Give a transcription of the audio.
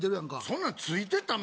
そんなんついてた？